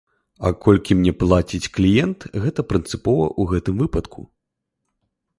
А колькі мне плаціць кліент, гэта прынцыпова ў гэтым выпадку.